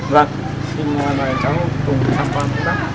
vâng xin mời bà cháu cùng thăm quan